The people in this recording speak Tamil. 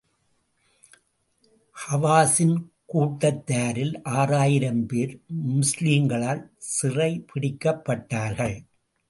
ஹவாஸின் கூட்டத்தாரில் ஆறாயிரம் பேர், முஸ்லிம்களால் சிறைப் பிடிக்கப்பட்டார்கள்.